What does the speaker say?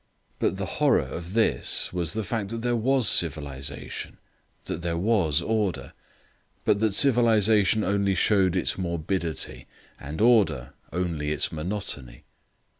But the horror of this was the fact that there was civilization, that there was order, but that civilisation only showed its morbidity, and order only its monotony.